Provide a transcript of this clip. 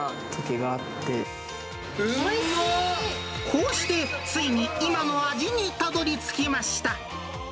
こうして、ついに今の味にたどりつきました。